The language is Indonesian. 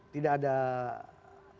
tidak ada ucapkan